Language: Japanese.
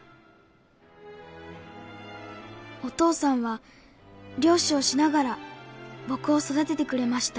「お父さんは漁師をしながら僕を育ててくれました。